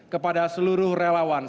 kepada seluruh relawan